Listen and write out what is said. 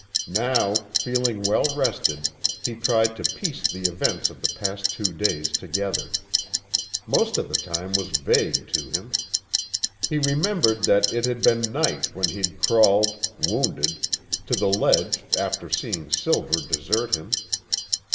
Now, feeling well rested, he tried to piece the events of the past two days together. Most of the time was vague to him. He remembered that it had been night when he'd crawled, wounded, to the ledge after seeing Silver desert him.